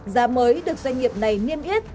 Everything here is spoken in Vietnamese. giá mới được doanh nghiệp này niêm yết